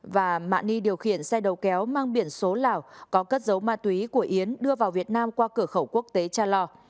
và mạ ni điều khiển xe đầu kéo mang biển số lào có cất dấu ma túy của yến đưa vào việt nam qua cửa khẩu quốc tế cha lo